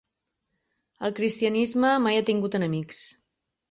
El cristianisme mai ha tingut enemics.